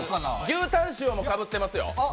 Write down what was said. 牛タン塩もかぶってますよ。